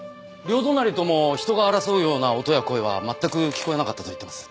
両隣とも人が争うような音や声は全く聞こえなかったと言ってます。